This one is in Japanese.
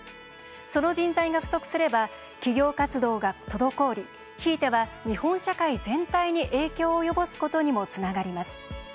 その人材が不足すれば企業活動が滞りひいては、日本社会全体に影響を及ぼすことにもつながります。